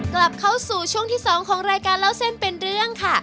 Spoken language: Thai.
กลับเข้าสู่ช่วงที่๒ของรายการเล่าเส้นเป็นเรื่องค่ะ